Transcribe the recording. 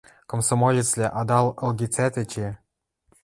– Комсомолецвлӓ, ада ыл ылгецӓт эче.